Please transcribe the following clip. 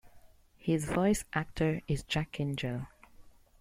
His voice actor is Jack Angel.